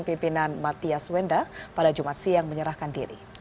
pimpinan mathias wenda pada jumat siang menyerahkan diri